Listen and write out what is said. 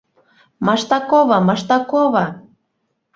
Маштакова, Маштакова...